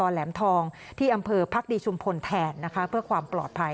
แหลมทองที่อำเภอพักดีชุมพลแทนนะคะเพื่อความปลอดภัย